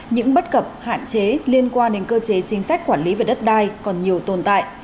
những bất cập hạn chế liên quan đến cơ chế chính sách quản lý về đất đai còn nhiều tồn tại